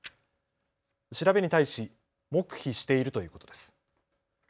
調べに対し黙秘しているということです。